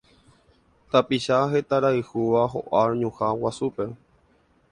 Tapicha hetãrayhúva ho'a ñuhã guasúpe